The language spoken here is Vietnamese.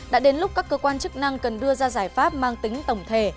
đã đến lúc các cơ quan chức năng cần đưa ra giải pháp mang tính tổng thể